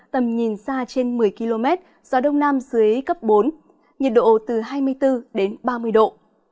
tầm nhìn xa trên một mươi km gió đông nam dưới cấp bốn nhiệt độ từ hai mươi bốn đến ba mươi độ